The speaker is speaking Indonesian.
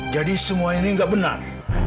jadi semua ini tidak benar